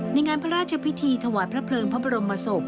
ในงานพระราชพิธีถวายพระเพลิงพระบรมศพ